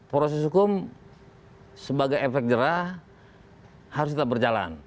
proses hukum sebagai efek jerah harus tetap berjalan